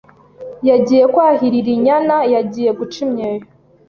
yagiye kwahirira inyana, yagiye guca imyeyo,